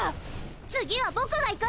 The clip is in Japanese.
次は僕がいく！